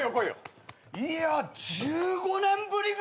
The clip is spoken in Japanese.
いや１５年ぶりぐらいだよな。